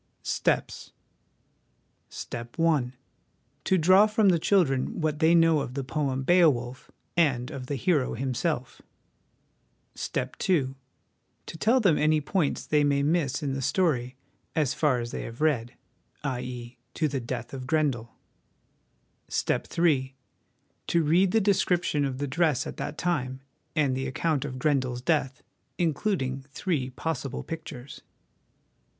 " Steps " Step I. To draw from the children what they know of the poem ' Beowulf, 3 and of the hero himself. " Step II. To tell them any points they may miss 1 By a student of the House of Education. 312 HOME EDUCATION in the story, as far as they have read (i.e. to the death of Grendel). " Step III. To read the description of the dress at that time, and the account of Grendel's death (includ ing three possible pictures).